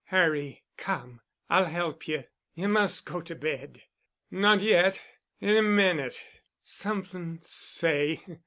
"Harry—come. I'll help you. You must go to bed." "Not yet—in a minute. Somethin'—say."